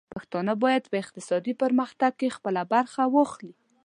پښتانه بايد په اقتصادي پرمختګ کې خپله برخه واخلي.